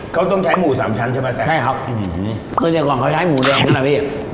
เขาต้องใช้หมูสามชั้นใช่ปะแซมใช่ครับอืมคือเดียวก่อนเขาใช้หมูแดงนี่แหละพี่